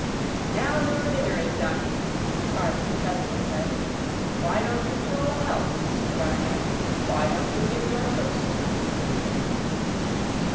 "Now your dinner is done," Carton presently said, "why don't you call a health, Mr. Darnay; why don't you give your toast?"